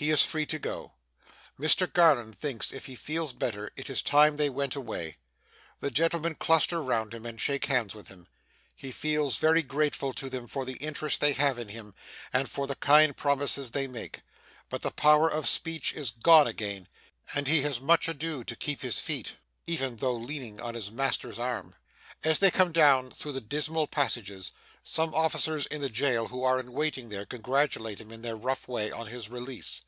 He is free to go. Mr Garland thinks, if he feels better, it is time they went away. The gentlemen cluster round him, and shake hands with him. He feels very grateful to them for the interest they have in him, and for the kind promises they make; but the power of speech is gone again, and he has much ado to keep his feet, even though leaning on his master's arm. As they come through the dismal passages, some officers of the jail who are in waiting there, congratulate him, in their rough way, on his release.